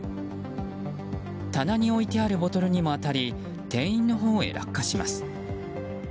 棚に置いてあるボトルにも当たり店員のほうに落下します。